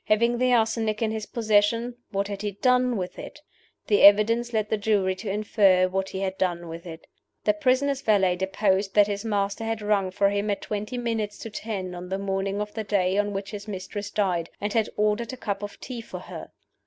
Having the arsenic in his possession, what had he done with it? The evidence led the jury to infer what he had done with it. The prisoner's valet deposed that his master had rung for him at twenty minutes to ten on the morning of the day on which his mistress died, and had ordered a cup of tea for her.